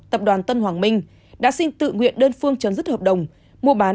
tập đoàn tân hoàng minh đã xin tự nguyện đơn phương chấm dứt hợp đồng mua bán